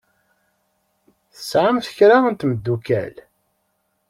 Tesɛamt kra n temddukal?